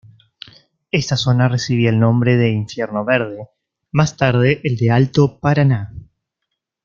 Esta zona recibía el nombre de infierno verde, más tarde el de Alto Paraná.